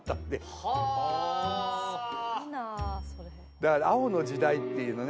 だから青の時代っていうのね